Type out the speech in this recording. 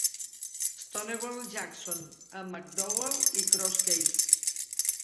"Stonewall" Jackson a McDowell i Cross Keys.